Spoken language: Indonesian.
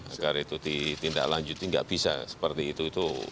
agar itu ditindaklanjutin enggak bisa seperti itu